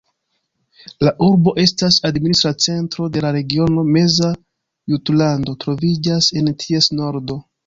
La urbo estas administra centro de la Regiono Meza Jutlando, troviĝas en ties nordo.